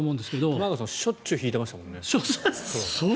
玉川さん、しょっちゅう引いていましたよね。